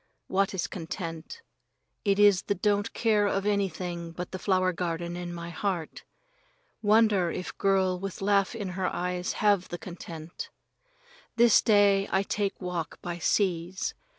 What is content? It is the don't care of anything but the flower garden in my heart. Wonder if girl with laugh in her eyes have the content? This day I take walk by seas.